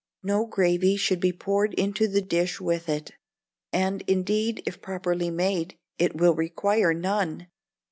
No gravy should be poured into the dish with it, and, indeed, if properly made, it will require none.